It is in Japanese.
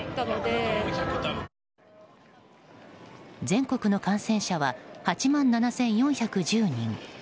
全国の感染者は８万７４１０人。